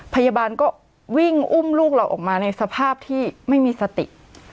พยาบาลก็วิ่งอุ้มลูกเราออกมาในสภาพที่ไม่มีสติ